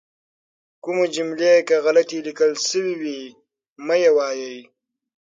کومې جملې که غلطې لیکل شوي وي مه یې وایئ.